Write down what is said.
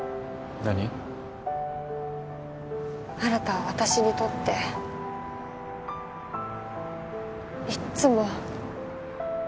新は私にとっていっつも。